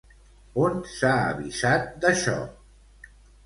On s'ha avisat d'això?